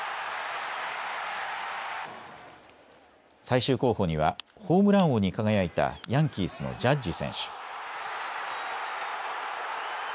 最終候補にはホームラン王に輝いたヤンキースのジャッジ選手。